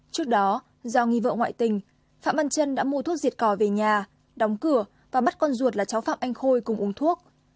trước đó do nghi vợ ngoại tình phạm văn trân đã mua thuốc diệt cỏ về nhà đóng cửa và bắt con ruột là cháu phạm anh khôi cùng uống thuốc